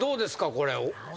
これ。